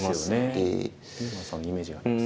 井山さんのイメージがあります。